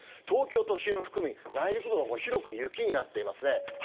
東京都心を含み、内陸部のほう、広く雪になっていますね。